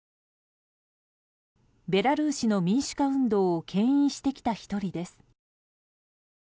ベラルーシの民主化運動を牽引してきた１人です。